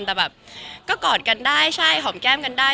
แต่แบบก็กอดกันได้ใช่หอมแก้มกันได้